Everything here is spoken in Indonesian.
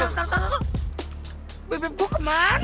terus nasib bebek gue gimana dong